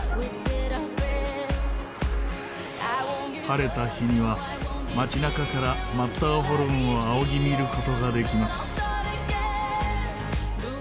晴れた日には町中からマッターホルンを仰ぎ見る事ができます。